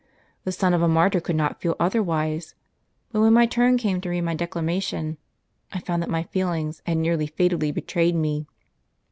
The son of a martyr could not feel otherwise. But when my turn came to read my declamation, I found that my feelings had nearly fatally betrayed me.